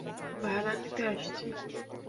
ভাড়া নিতে আসছি।